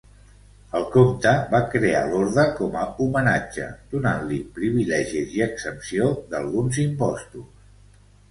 El comte va crear l'orde com a homenatge, donant-li privilegis i exempció d'alguns impostos.